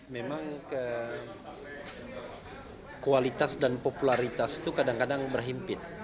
memang kualitas dan popularitas itu kadang kadang berhimpit